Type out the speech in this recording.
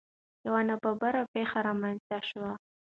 یو نا ببره پېښه رامنځ ته شوه.